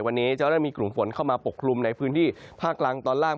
วันนี้จะเริ่มมีกลุ่มฝนเข้ามาปกคลุมในพื้นที่ภาคกลางตอนล่าง